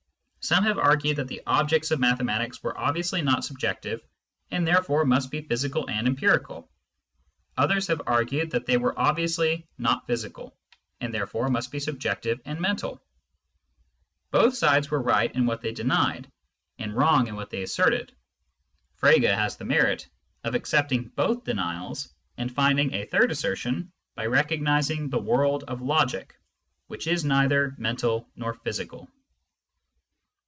Some have argued that the objects of mathematics were obviously not sub jective, and therefore must be physical and empirical ; others have argued that they were obviously not physical, and therefore must be subjective and mental. Both sides were right in what they denied, and wrong in what they asserted ; Frege has the merit of accepting both denials, and finding a third assertion by recognising the world of logic,^which is neither mental nor physical.